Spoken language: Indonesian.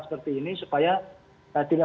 seperti ini supaya tidak